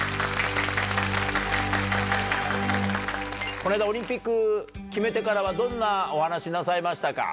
この間オリンピック決めてからはどんなお話しなさいましたか？